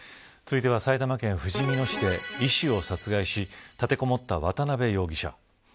続いては、埼玉県ふじみ野市で医師を殺害し立てこもった渡辺容疑者。